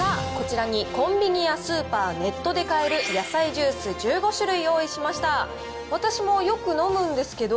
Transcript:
さあ、こちらにコンビニやスーパー、ネットで買える野菜ジュース１５種類用意しました。